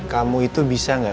kamu itu bisa gak